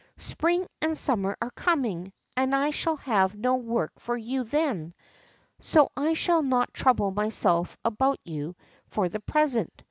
Spring and sum mer are coming, and I shall have no work for you then ; so I shall not trouble myself about you for the present.